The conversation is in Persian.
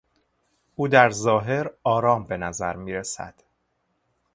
او در ظاهر آرام به نظر میرسد.